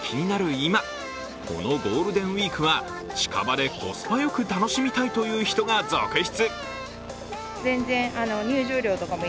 今このゴールデンウイークは近場でコスパよく楽しみたいという人が続出。